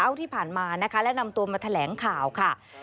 เอาที่ผ่านมานะคะและนำตัวมาแถลงข่าวค่ะ